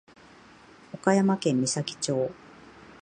岡山県美咲町